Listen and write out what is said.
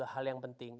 hal yang penting